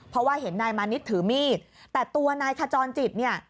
เพราะว่าเห็นนายมานิดถือมีดแต่ตัวนายขจรจิตเนี่ย